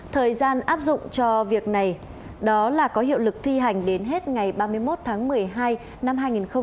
thời gian áp dụng cho việc này đó là có hiệu lực thi hành đến hết ngày ba mươi một tháng một mươi hai năm hai nghìn hai mươi